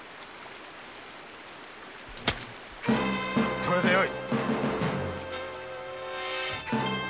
それでよい！